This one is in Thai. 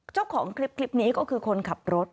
เจ้าของคลิปนี้ก็คือคนขับรถ